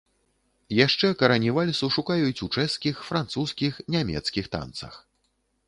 Яшчэ карані вальсу шукаюць у чэшскіх, французскіх, нямецкіх танцах.